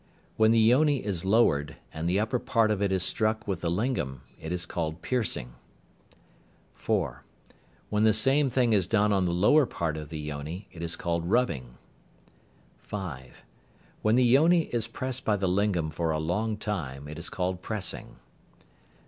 When the yoni is lowered, and the upper part of it is struck with the lingam, it is called "piercing." (4). When the same thing is done on the lower part of the yoni, it is called "rubbing." (5). When the yoni is pressed by the lingam for a long time, it is called "pressing."